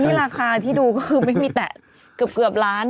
นี่ราคาที่ดูก็คือไม่มีแตะเกือบล้าน